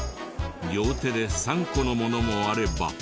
両手で３個のものもあれば。